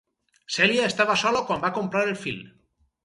Cèlia estava sola quan va comprar el fil.